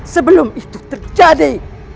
sebelum itu terjadi